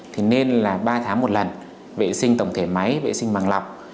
thì nên là ba tháng một lần vệ sinh tổng thể máy vệ sinh bằng lọc